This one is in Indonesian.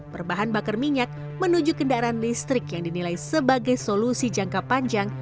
berbahan bakar minyak menuju kendaraan listrik yang dinilai sebagai solusi jangka panjang